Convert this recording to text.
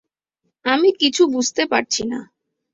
আমি কিছু বুঝতে পারছি না।